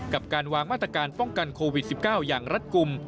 กับการวางมาตรการป้องกันโควิด๑๙อย่างรัฐกลุ่ม